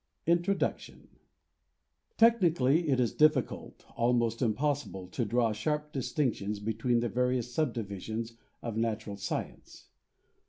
... 300 INTRODUCTION Technically it is difficult, almost impossible, to draw sharp distinctions between the various subdivisions of natural science.